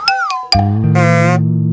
berja berapa ini